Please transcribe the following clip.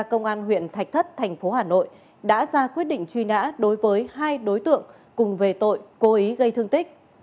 cơ quan cảnh sát điều tra công an huyện thạch thất tp hà nội đã ra quyết định truy nã đối với hai đối tượng cùng về tội cố ý gây thương tích